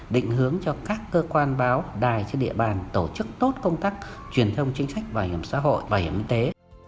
định hướng cho các cơ quan báo đài trên địa bàn tổ chức tốt công tác truyền thông chính sách bảo hiểm xã hội bảo hiểm y tế